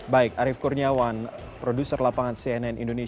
baik arief kurniawan produser lapangan cnnn